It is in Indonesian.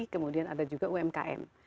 kemudian ada juga umkm